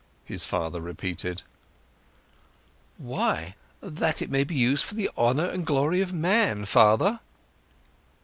his father repeated. "Why, that it may be used for the honour and glory of man, father."